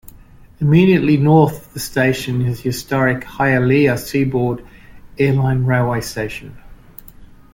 Immediately north of the station is the historic Hialeah Seaboard Air Line Railway Station.